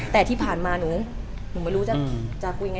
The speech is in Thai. แต่ที่ผ่านมาหนูหนูไม่รู้จะจะกุยเอาไง